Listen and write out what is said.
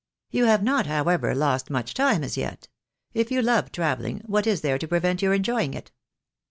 " You have not, however, lost much time as yet. If you love travelling, what is there to prevent your enjoying it?